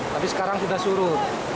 tapi sekarang sudah surut